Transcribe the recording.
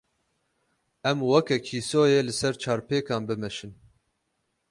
Em weke kîsoyê li ser çarpêkan bimeşin.